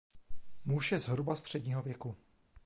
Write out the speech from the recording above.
Muž je zhruba středního věku.